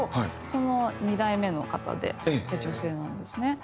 その二代目の方で女性なんですね。